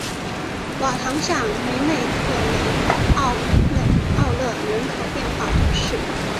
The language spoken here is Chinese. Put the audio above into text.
瓦唐下梅内特雷奥勒人口变化图示